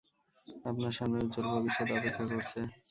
আপনার সামনে উজ্জ্বল ভবিষ্যত অপেক্ষা করছে।